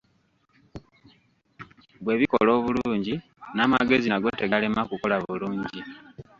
Bwe bikola obulungi, n'amagezi nago tegalema kukola bulungi.